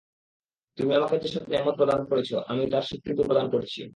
তুমি আমাকে যেসব নেয়ামত দান করেছ আমি তার স্বীকৃতি প্রদান করছি।